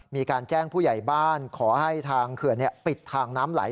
มีการแจ้งผู้ใหญ่บ้านขอให้ทางเขื่อนปิดทางน้ำไหล